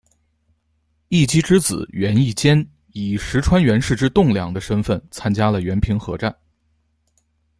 义基之子源义兼以石川源氏之栋梁的身份参加了源平合战。